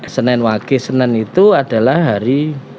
senin wage senin itu adalah hari